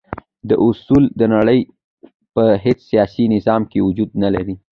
دا اصول د نړی په هیڅ سیاسی نظام کی وجود نلری.